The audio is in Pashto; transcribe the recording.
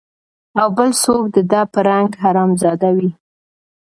او بل څوک د ده په رنګ حرامزاده وي